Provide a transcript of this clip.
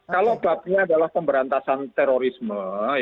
kalau babnya adalah pemberantasan terorisme